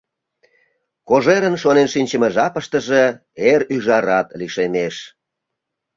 Кожерын шонен шинчыме жапыштыже эр ӱжарат лишемеш.